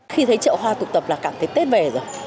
khi thấy chợ hoa tụ tập là cảm thấy tết về rồi